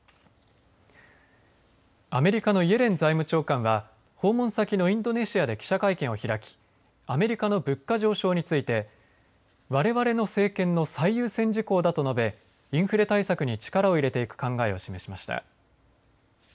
アメリカのイエレン財務長官は訪問先のインドネシアで記者会見を開きアメリカの物価上昇についてわれわれの政権の最優先事項だと述べインフレ対策に力を入れていく考えを示しました。